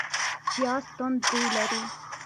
پیاز توند بوی لري